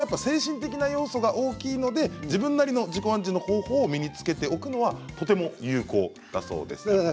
ただ緊張は精神的な要素が大きいので自分なりの自己暗示の方法を身につけておくのはとても有効だそうです。